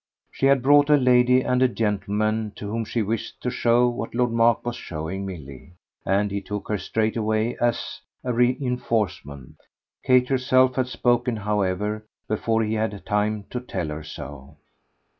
She had brought a lady and a gentleman to whom she wished to show what Lord Mark was showing Milly, and he took her straightway as a re enforcement. Kate herself had spoken, however, before he had had time to tell her so.